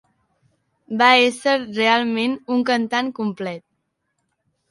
Va ésser realment un cantant complet.